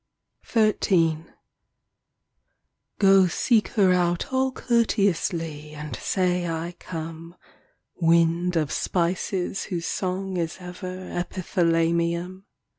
XIII Go seek her out all courteously, And say I come, Wind of spices whose song is ever Epithalamium.